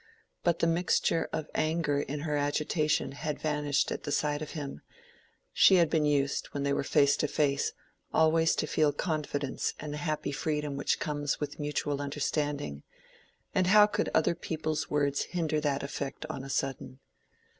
But the mixture of anger in her agitation had vanished at the sight of him; she had been used, when they were face to face, always to feel confidence and the happy freedom which comes with mutual understanding, and how could other people's words hinder that effect on a sudden?